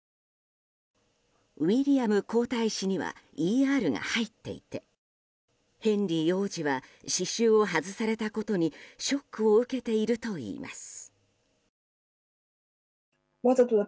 ウィリアム皇太子にはＥＲが入っていてヘンリー王子は刺しゅうを外されたことにショックを受けているといいます。